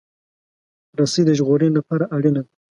رسۍ د ژغورنې لپاره اړینه ده.